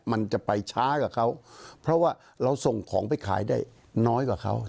มันจะไปช้ากว่าเขาเพราะว่าเราส่งของไปขายได้น้อยกว่าเขา